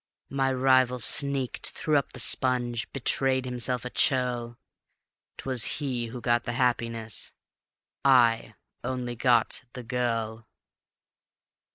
My rival sneaked, threw up the sponge, betrayed himself a churl: 'Twas he who got the happiness, I only got the girl."